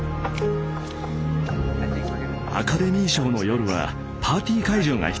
アカデミー賞の夜はパーティー会場が必要だと思った。